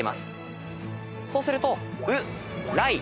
そうすると。